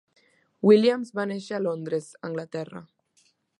Williams va néixer a Londres, Anglaterra.